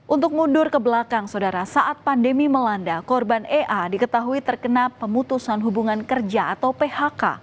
untuk mundur ke belakang saudara saat pandemi melanda korban ea diketahui terkena pemutusan hubungan kerja atau phk